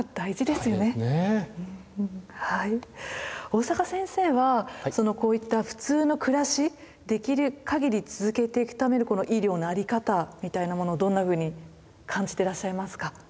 大坂先生はそのこういった普通の暮らしできるかぎり続けていくためのこの医療の在り方みたいなものをどんなふうに感じてらっしゃいますか？